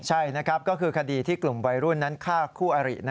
ใช่นะครับก็คือคดีที่กลุ่มวัยรุ่นนั้นฆ่าคู่อริ